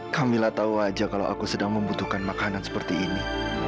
kamila tahu aja kalau aku sedang membutuhkan makanan seperti ini